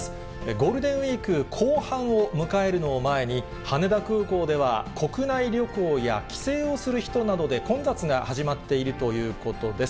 ゴールデンウィーク後半を迎えるのを前に、羽田空港では国内旅行や帰省をする人などで混雑が始まっているということです。